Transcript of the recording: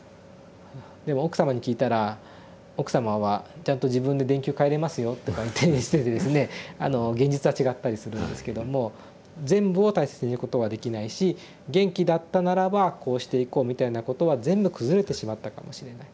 でも奥様に聞いたら奥様は「ちゃんと自分で電球替えれますよ」とかいって現実は違ったりするんですけども全部を大切にすることはできないし「元気だったならばこうしていこう」みたいなことは全部崩れてしまったかもしれない。